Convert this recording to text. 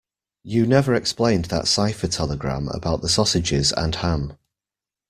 You never explained that cipher telegram about the sausages and ham.